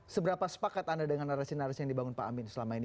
seberapa sepakat anda dengan narasi narasi yang dibangun pak amin selama ini